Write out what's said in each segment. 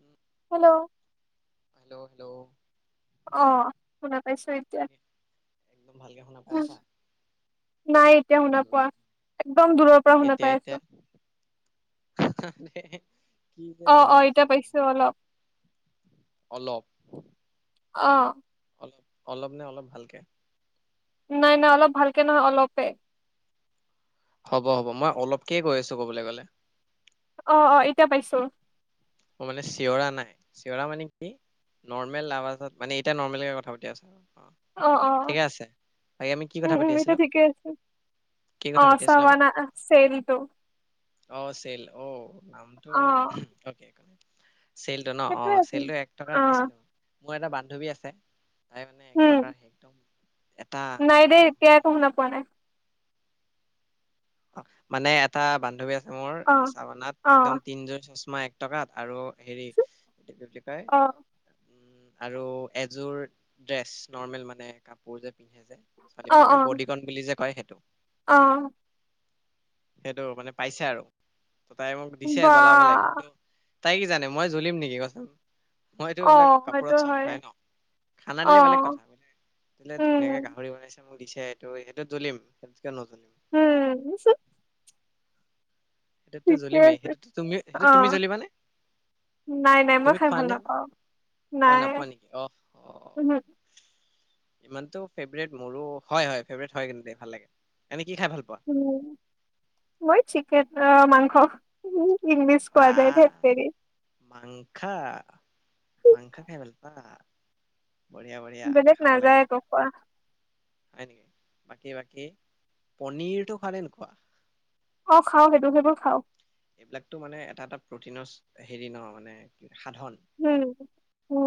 উম, hello hello hello অ' পাইছো এতিয়া একদম ভালকে শুনা পাই আছা? নাই এতিয়া শুনা উম, উম, পোৱা একদম দূৰৰ পৰা শুনা পাই আছো। হে হে কি যে অ হৈ অ এতিয়া আছে পাইছো অলপ অলপ অ' অলপ অলপ নে অলপ ভালকে। নাই নাই অলপ ভালকে নহয় অল [inaudible] হ'ব হ'ব মই অলপকে কৈ আছো ক'বলৈ গলে। অ' অ' এতিয়া পাইছো। অ মানে চিঞৰা নাই চিঞৰা মানে কি নৰ্মেল অৱাজত মানে এতিয়া নৰ্মেল কথা পাতি আছে আৰু। অ ঠিকে আছে বাকী আমি কি উম কথা পাতি উম আছিলো এতিয়া ঠিকে আছে কি অ কথা পাতি আছিলো আমি চাৱানা চেইলটো অ চেল অ নামটো অ অ। চেইলটো ন অ সেইটোয়ে আছে চেইলটো এক টকাৰ অ পাইছিলো? মোৰ এটা বান্ধৱী আছে। তাই মানে এক উম টকাৰ একদম এটা নাই দেই এতিয়া মানে একো শুনা পোৱা নাই। মানে এটা বান্ধৱী আছে? অ ৰ চাবানাত অ একদম তিনজন। মা এক টকাত আৰু হেৰি। এইটো কি বুলি কয়। অ উম আৰু এযোৰ ড্ৰেছ নৰ্মেল মানে কাপোৰ যে। পিন্ধে যে ছোৱালী অ অ বিলাকে বডদিকন বুলি যে কয় সেই। টো অ সেইটো মানে পাইছে আৰু। ত তাই মোক দিছে বা জ্বলাবলে কিন্তু। তাই কি জানে মই জ্বলিম নেকি কচোন। মইতো অ এইবিলাক সেইটো কাপোৰত চখ হয় নাই ন খানা অ দিলে বেলেগ কথা ব বোলে উম ধুনীয়াকে গাহৰি বনাইছে? মোক দিছে সেইটো সেইটোত জ্বলিম কিয় নজ্বলিম। উম সেইটোত টো ঠিকে আছে জ্বলিমেই সেইটো তু সেইটো অ তুমি জ্বলিব নে নাই নাই মই তুমি খাই খোৱা ভাল নে নাপাওঁ অ নাই নাপোৱা নেকি অ অ। উহো ইমান টো‌ফেভৰেট মোৰো হয় হয় ফেভৰেট হয় কিন্তু দেই ভাল লাগে। কি খাই ভাল পোৱা উম মই চিকেন। অ মাংস উ। ইংলিছ কোৱাদাইত হেতে। খা মাংখ‌ খাই ভাল পা। বঢ়িয়া বঢ়িয়া বেলেগ খাব লাগে নাযায় ক কোৱা। হয় নেকি বাকী বাকী পনিৰতটো খোৱা নে‌ নুখোৱা? অ খাও সেইবোৰ সেইবোৰ খাও। এইবিলাকতো মানে এটা এটা প্ৰটিনৰ হেৰি ন মানে। সাধন উম উ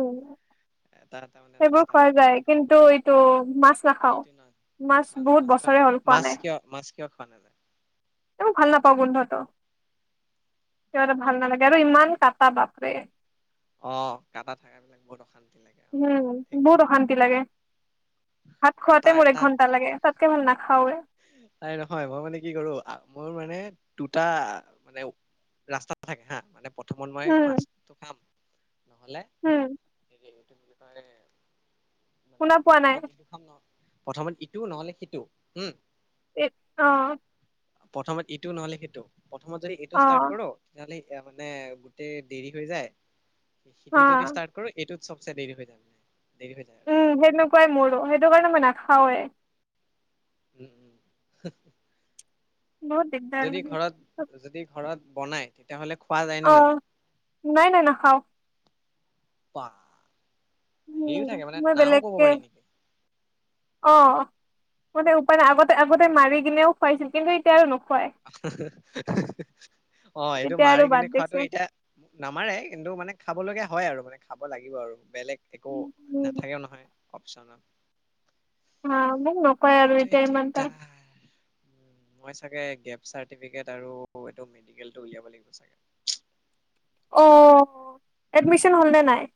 এটা এটা মানে সেইবোৰ ৰাস্তা খোৱা যায় প্ৰটিন কিন্তু এইটো মাছ নাখাও এইটো নহয় মাছ বহুত কিয় বছৰে হ'ল খোৱা মাছ নাই। কিয় মাছ কিয় খোৱা নায়ায। এ ভাল নাপাও গোন্ধ টো। সেইটো ভাল নালাগে আৰু ইমান কাটা বাপৰে। অ' কাটা থকা বিলাক বহুত অশান্তি লাগে অ'। উম ঠিক ঠিক বহুত অশান্তি লাগে ভাত কাটা খোৱাতে মোৰ এটা এক ঘন্টা লাগে তাত। [unintelligible] নাখাৱে তাই নহয়, মই মানে কি কৰো! মোৰ মানে দুটা, মানে ৰাস্তা থাকে হা। মানে প্ৰথমত মই উম মাছটো খাম। হ'লে [unintelligible] উম [unintelligible] শুনা পোৱা নাই প্ৰথমত ইটোও নহ'লে সিটোও, উম। অ'। প্ৰথমত ইটো নহ'লে সিটো। প্ৰথমত যদি এইটো অ ষ্টাৰ্ট কৰোঁ, তেতিয়াহ'লে এয়া মানে গোটেই দেৰি হৈ যায়। হা সিটো যদি ষ্টাৰ্ট কৰো, এইটো চবচে দেৰি হৈ যাব। উম সেনেকুৱাই মোৰো, সেইটো কাৰণে মই নাখাওঁ। হয়। উম। বহুত দিগদাৰ যদি লাগে। ঘৰত যদি ঘৰত বনাই, তেতিয়াহ'লে খোৱা যায় নে নাযায়? অ', নাই-নাই নাখাও। [unintelligible] হেৰিও উম। থাকে মানে মই নাও ক'ব বেলেগকে, পাৰি নেকি? অ'। মানে উপায় নাই। আগতে-আগতে মাৰি কিনেও খুৱাইছিল, কিন্তু এতিয়া আৰু নো [unintelligible] অ' এইটো এতিয়া আৰু মাৰি বাদ কিনি দিছে। খোৱাটো এতিয়া, নামাৰে কিন্তু মানে খাবলগীয়া হয় আৰু মানে খাব লাগিব আৰু। বেলেগ একো উম নাথাকেও নহয়। অপচনেল অ' মোক নকয় আৰু এতিয়া ইমানটা। দিগদাৰ। মই চাগে গেপ চাৰ্টিফিকেট আৰু এইটো মেডিকেলটো উলিয়াব লাগিব চাগে। অ'। এডমিচন উম, হ'ল নে নাই? বহুত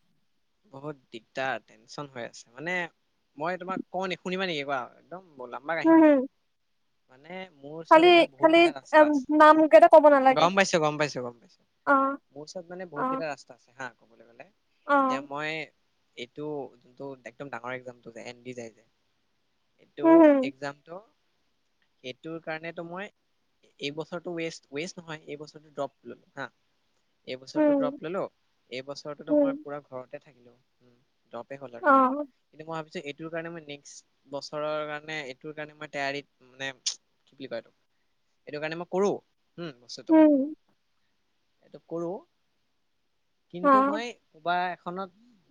বহুত দিগদাৰ, টেনচন হৈ আছে। মানে মই তোমাক কওঁ নেকি, শুনিবা নেকি কোৱা? একদম বৰ লম্বা হুম কাহিনী হুম আৰু। মানে মোৰ খালি ওচৰত এতিয়া খালি বহুতকেইটা ৰাস্তা নাম কেইটা ক'ব আছে। নালাগে গম পাইছো, গম পাইছো, গম পাইছো। অ মোৰ ওচৰত মানে অ বহুতকেইটা ৰাস্তা হা ক'বলৈ গ'লে অ এতিয়া মই এইটো যোনটো একদম ডাঙৰ একজামটো যে, এন দি যাই যে? এইটো হুম হুম এক্জামটো সেইটোৰ কাৰণটো মই এইবছৰটো ষ্ট ৱষ্ট নহয় এই বছৰ ড্ৰপো হা এইবছৰটো হুম ড্ৰপ ল'লো। এই বছৰোতো হুম মই পুৰা ঘ ততে থাকিলো উ দৰপে হ'ল অ আৰুটো কিন্তু মই ভাবিছো এইটো কাৰণে মই নেক্স বছৰৰ কাৰণে এইটোৰ কাৰণে মই তেয়াৰীত মানে কি বুলি কয় এইটো এইটো কাৰণে মই কৰো উম বছৰটো হুম এইটো কৰোঁ কিন্তু অ মই কবা এ ত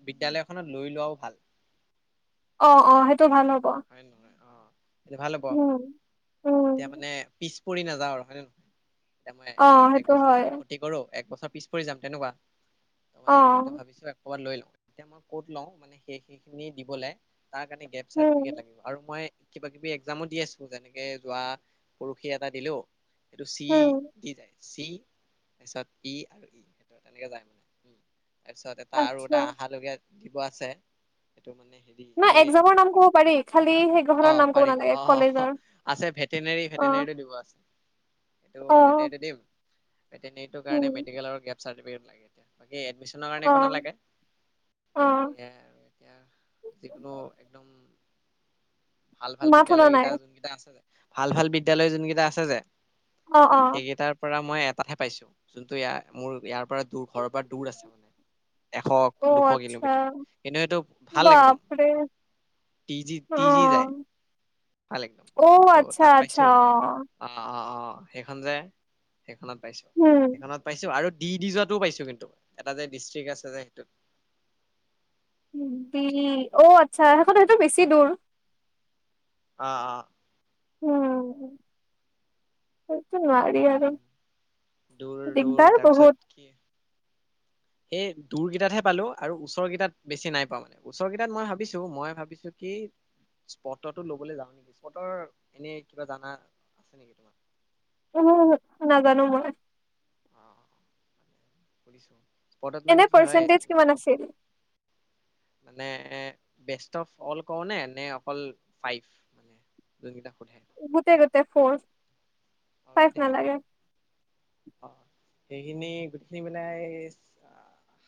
বিদ্যয়ালয়খনত লৈ লোৱাও ভাল অ' অ' সেইটো ভাল হ'ব। হয় ন অ' স ভাল হ'ব উম উম তেতিয়া মানে পিছ পৰি নাযাওঁ আৰু হয় নে নহয় এতিয়া মই অ এক সেইটো বছৰ হয় যদি ক্ষতি কৰো এক বছৰ পিছ পৰি যাম তেনেকুৱা। তাৰ অ মে মই সেইটো ভাবিছো। ক'বাত লৈ লওঁ তেতিয়া মই ক'ত লওঁ মানে সেই সেইখিনি দিবলৈ তাৰ কাৰণে গেপচাৰ গেপ উম লাগিব আৰু মই কিবা কিবি এক্জামো দি আছো যেনেকে যোৱা পৰষি এটা দিলেও এটো চি উম দি যায় চি তাৰপিছত পি আৰু ই স তেনেকে যায় মানে উ তাৰপিছত এটা আৰু আচ্ছা এটা আহহালগীয়া দিব আছে সেইটো মানে হেৰি নহ এ এক্জামৰ নাম কব পাৰি। খালি অ' সেইকেইখনৰ নাম ক'ব পাৰি ন নালাগে অ' অ' কলেজৰ আছে ভেটেনেৰী অ ভেটেনেৰি টো দিব আছে। এইটো অ ভেটেনেৰী তোই এটো দেও ভেটেনেৰীটো কাৰণে উম মেডিকেলৰ গেপ চাৰ্টিফিকেট লাগে এতিয়া এই এডমিশনৰ অ কাৰণে একো নালাগে অ সেয়াই আৰু এতিয়া যিকোনো একদম ভাল ভাল মাত শুনা বিদ্যালয় নাই কেইটা যোন কেইটা আছে যে। ভাল ভাল বিদ্যালয় যোন কেইটা আছে যে। অ অ সেইকেইটাৰ পৰা মই এটাহে পাইছো যোনটো ইয়াৰ - মোৰ ইয়াৰ পৰা তোৰ ঘৰৰ পৰা দূৰ আছে মানে। এশ অ দুশ আচ্ছা কিলোমিটাৰ। কিন্তু সেটো ভাল একদম। বাপৰে তিজি অ তিজি যায়। ভাল একদম। অ তো আচ্ছা তাত পাইছো আচ্ছা অ অ অ অ। অ সেইখন যে সেইখনত পাইছো। উম সেইখনত পাইছো আৰু দি দি যোৱাটো পাইছো কিন্তু এটা যে ডিষ্ট্ৰিক্ আছে যে সেইটোত অ আচ্ছা সেইখন সেইটো বেছি দূৰ অ অ উম নোৱাৰি আৰু উম দূৰ দূৰ দিগদাৰ বহুত তাৰপিছত কি সেই দূৰ কেইটাতহে পালো আৰু ওচৰৰ কেইটাত বেছি নাই পোৱা মানে। ওচৰৰ কেইটাত মই ভাবিছো মই ভাবিছো কি স্পটটো লবলৈ যাওঁ নেকি, স্পটৰ এনে কিবা জানা আছে নেকি তোমাৰ? ওহো ওহো নাজানো মই অ মানে শুনিছো স্পটত এনে পাৰ্চেন্টিজ কিমান আছিল? মানে এ বেষ্ট অফ অল কও নে নে অকল ফাইভ যোন কেইটা সোধা গোটেই গোটেই ফৰ্চ অ গোটেইখিনি অ সেইখিনি গোটেইখিনি পেলাই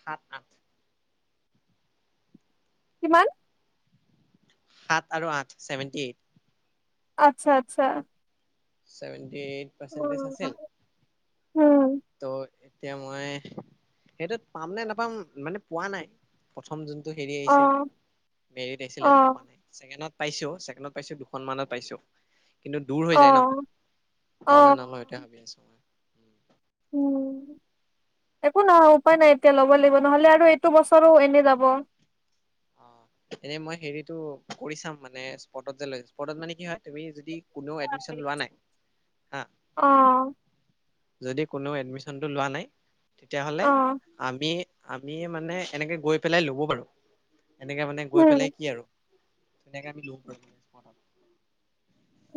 সাত আঠ কিমান সাত আৰু আঠ ছেভেন্টি এইট আচ্ছা আচ্ছা ছেভেণ্টি এইট পাৰ্চেণ্টেজ উম, আছিল। উম, ত এতিয়া মই সেইটো পাম নে নাপাম মানে পোৱা নাই প্ৰথম যোন হেৰি আহিছিল অ', মেৰিত আহিছিল পোৱা অ', নাই চাকেনত পাইছো ছেকেণ্ডত পাইছো দুখন মানত পাইছো কিন্তু দূৰ হৈ যায় অ', ন। লওঁ নে অ', নলওঁ এতিয়া ভাবি আছো মই। [inaudible] উম। একো নহয় উপায় নাই এতিয়া ল'ব লাগিব নহলে আৰু এইটো বছৰো এনেই যাব। অ এনে মই হেৰিটো কৰি চাম মানে স্পটত যে লৈ স্পটত মানে কি হয় তুমি যদি কোনেও এডমিশন লোৱা নাই হা অ', যদি কোননেও এডমিশনটো লোৱা নাই। তেতিয়াহ'লে অ', আমি আমি মানে এনেকে গৈ পেলাই ল'ব পাৰো। এনেকে মানে গৈ পেলাই উম, কি আৰু নকে আমি পাৰোঁ।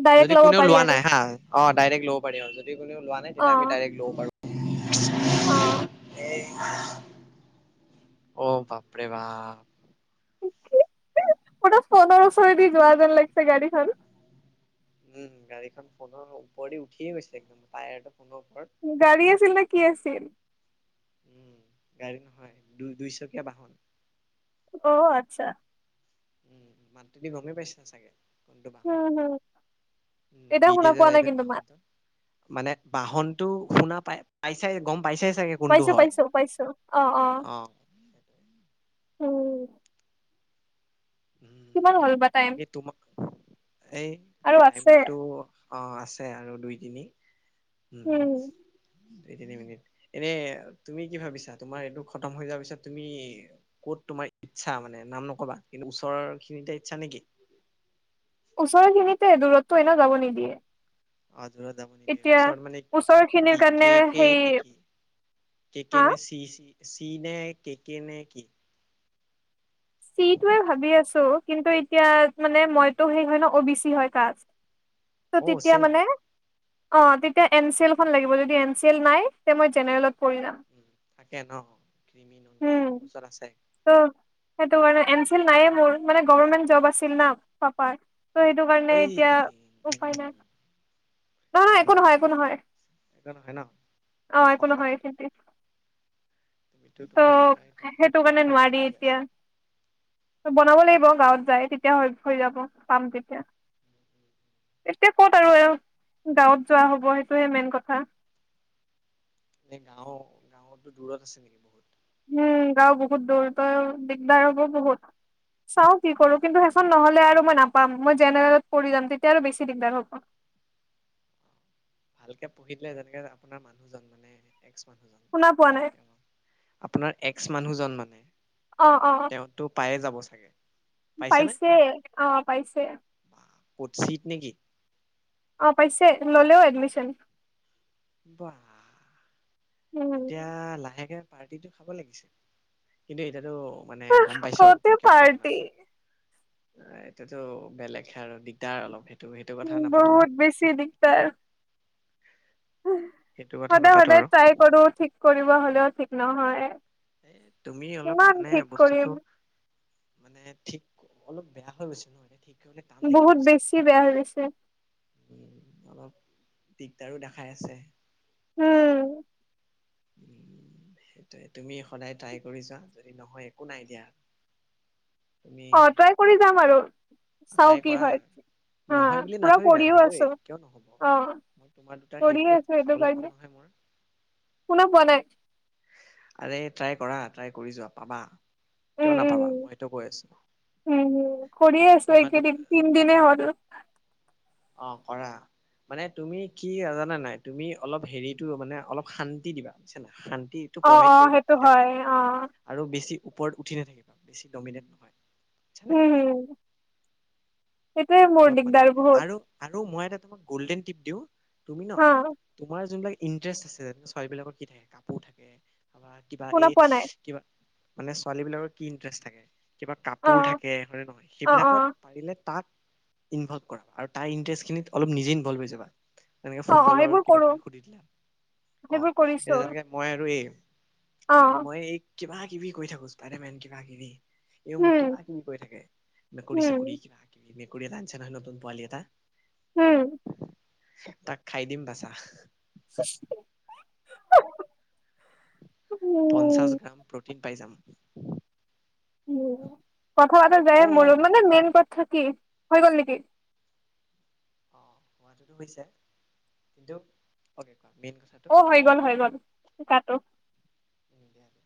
ডাইৰেক্ট ল'ব পাৰি আৰু অ' ডাইৰেক্ ল'ব পাৰিব। য কো লোৱা নাই অ', তেতিয়া আমি ডাইৰেক্ লব পাৰো সুংহহহঃ [inaudible] অ'। ই সহঃ [inaudible] অ' বাপৰে বা ম ত পোন্নৰৰ ওচৰেদি যোৱা যেন লাগিছে গাড়ীখন। উম গাড়ীখন পোনৰ ওপৰি দি উঠিয়ে গৈছে একদম য়াৰ গাড়ী আছিল নে কি আছিল উম গাড়ী নহয় দুই দুইচকীয়া বাহন। অ' আচ্ছা। উম মাতখিনি গমেই পাইচিলা চাগে কোনটো বাহন হম হুম উম এতিয়া শুনা বিদেজে পোৱা যাই নাই যে কিন্তু মাত বাহনটো মানে বাহনটো শুনা পাই পাইছাই গম পাইছাই চাগে কোনটো পাইছো হয় পাইছো পাইছো অ' অ' উম উম কিমান হ'ল বা টাইম তাকে তোমক এই আৰু আছে টাইমটো অ' আছে আৰু দুই তিনি। উম দুই তিনি মিনিট এনে তুমি কি ভাবিছা তোমাৰ এইটো খতম হৈ যোৱাৰ পিছত তুমি কত তোমাৰ ইচ্ছা মানে নাম নক'বা। কিন্তু ওচৰৰ খিনিতে ইচ্ছা নেকি ওচৰৰ তেনেকে দূৰতটো এনেও যাব নিদিয়ে অ' দুৰত যাব নিদিয়ে এতিয়া ওচৰত মানে ওচৰৰ খিনিৰ কি কাৰণে কে কে সেই নে কি কে কে হা নে চি চি চি নে কে কে নে কি চিটোৱে ভাবি আছো কিন্তু এতিয়া মানে মইতো সেই হয় ন অ বি চি হয় কাজ ত অ' তেতিয়া ছেম মানে অ' তেতিয়া এনচেলখন লাগিব যদি এনচেল নাই। তে মই অ জেনেৰেলত পৰি যাম উম, থাকে ন ক্ৰিমি নন ক্ৰিমি উম মোৰ ওচৰত আছে আহ। সেইটো কাৰণে এমচিল নাইয়ে মোৰ। মানে গবাৰমেন্ট জ'ব আছিল ন' পাপাৰ। তো সেইটো ঐ কাৰণে এতিয়া উপায় নাই। উম, নহয়, একো নহয় - একো উম, নহয়। একো নহয় ন অ' হ একো হ নহয়। তুমিতো ত' তোমাৰ বিষয়ে ত- সেইটো কাৰণে নোৱাৰি তথ্যবিলাক দি এতিয়া আছা। বনাব লাগিব গাঁৱত যাই। তেতিয়া হৈ- হৈ যাব। পাম তেতিয়া। এতিয়া ক'ত আৰু গাঁৱত যোৱা হ'ব, সেইটোহে মেইন কথা। এ গাঁও- গাঁওতো দূৰত আছে নেকি বহুত? উম, গাওঁ বহুত দূৰ। তো দিগদাৰ হব বহুত। চাওঁ কি কৰোঁ। কিন্তু সেইখন নহলে আৰু মই নাপাম। মই জেনেৰেলত পৰি যাম। তেতিয়া আৰু বেছি দিগদাৰ হব। ভালকে পঢ়িলে যেনেকে, আপোনাৰ মানুহজন মানে এক্স মানুহজন। শুনা পোৱা নাই তেওঁ অ'। আপোনাৰ এক ক্স মানুহজন মানে। অ অ তেওঁতো পায়ে যাব থাকে। পাইছে। অ' পাইছে। বা ক'ত? চিট নেকি? অ' পাইছে। ল'লেও এডমিশন। বাহ। উম এতিয়া লাহেকে পাৰ্টিটো খাব লাগিছে। কিন্তু এতিয়া তো মানে গম পাইছোঁ আৰু, কতে কিয় খাব পাৰ্টি নালাগে। এইটোতো বেলেগহে আৰু, দিগদাৰ অলপ সেইটো কথা উম, নাপাতো বহুত বেছি দিকদাৰ। সেইটো কথা সদায় - নাপাতো সদায় আৰু। ট্ৰাই কৰোঁ ঠিক কৰিব, হলেও ঠিক নহয়। এ তুমি অলপ কিমান মানে ঠিক বস্তুটো কৰিম মানে ঠিক- অলপ বেয়া হৈ গৈছে ন'? এতিয়া ঠিক কৰিবলে টান লাগিব বহুত বুজিছা নাই। বেছি বেয়া হয় গৈছে। উম, অলপ দিগদাৰো দেখাই আছে। উম। উম সেইটোৱে। তুমি সদায় ট্ৰাই কৰি যোৱা। যদি নহয়, একো নাই দিয়া। তুমি অ' ট্ৰাই কৰি যাম আৰু। চাও ট্ৰাই কি কৰা। হয় হা নহয় বুলি পুৰা নাভাবিবা, কৰিও হবয়েই। আছো কিয় নহব। অ মই তোমাৰ দুটাৰ কৰিয়ে হেৰিটো আছো এইটো খাবলে কাৰণে মন নহয় মোৰ। শুনা পোৱা নাই আৰে ট্ৰাই কৰা, ট্ৰাই কৰি যোৱা। পাবা। কিয় উম - উম নাপাবা মই সেইটো কৈ আছো - উম। উম, কৰিয়ে আছোঁ তোমাৰ এইকেইদিন। তিনদিনে হ'ল আৰু। অ' কৰা। মানে তুমি কি- জানা নাই? তুমি অলপ হেৰিটো মানে, অলপ শান্তি দিবা। বুইছা নাই? শান্ তিটো অ অ প্ৰভাইড কৰিবা। সেইটো তেতিয়া হয় ভাল। অ আৰু বেছি ওপৰত উঠি নাথাকিবা। বেছি দমিনেট নহয়। বুজিছানে উম - উম। অলপ মানে আৰু আৰু মই এটা তোক গল্ডেন টপ দিওঁ। তুমি ন হা তোমাৰ যোনবিলাক ইণ্টাৰেষ্ট আছে যেনে ছোৱালীবিলাকৰ কি থাকে কাপোৰ থাকে। হবা কিবা শুনা এই পোৱা নাই কিবা। মানে ছোৱালী বিলাকৰ কি ইণ্টাৰেষ্ট থাকে। কিবা অ কাপোৰ থাকে হয়ে নহয় অ অ সেইবিলাকত পাৰিলে তাক। ইনভল কৰা আৰু তাৰ ইটষ্ট অলপ নিজে ইনভলভ হৈ যাবা। তেনেকে অ অ ফুটবলৰ সেইবোৰ কিবা কৰো কিবি সুধি দিলে অ' সেইবোৰ কৰিছো এতিয়া তেনেকে মই আৰু এই অ মই এই কিবা কিবি কৈ থাকোচ পাৰেে মেন কিবা কিবি এ মোক হম কিবা কিবি কৈ থাকে নকৰি হম চাকৰি কিবা কিবি মেকুৰী লান চান নতন পোৱালি এটা উম তাক খাই দিম বাচা অ' আ পঞ্চাশ গ্ৰাম প্ৰটিন পাই যাম। উ কথা বতা যায় অ মোৰ মানে অ মেইন কথা কি হৈ গ'ল নেকি? অ' হোৱাটোতো হৈছে কিন্তু অ' অ' হৈ গ'ল হৈ গল তাতো কথাটো